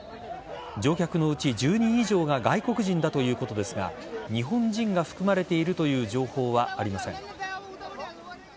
乗客のうち１０人以上が外国人だということですが日本人が含まれているという情報はありません。